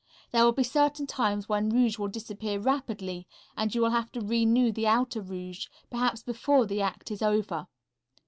There will be certain times when rouge will disappear rapidly and you will have to renew the outer rouge, perhaps before the act is over.